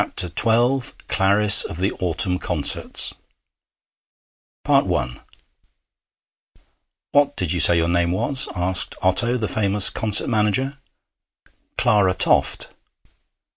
CLARICE OF THE AUTUMN CONCERTS I 'What did you say your name was?' asked Otto, the famous concert manager. 'Clara Toft.'